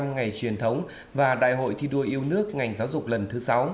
bảy mươi năm ngày truyền thống và đại hội thi đua yêu nước ngành giáo dục lần thứ sáu